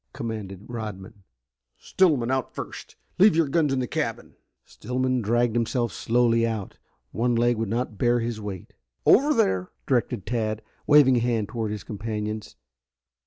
commanded Rodman. "Stillman out first. Leave your guns in the cabin!" Stillman dragged himself slowly out. One leg would not bear his weight. "Over there," directed Tad, waving a hand toward his companions.